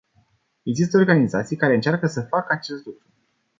Există organizații care încearcă să facă acest lucru.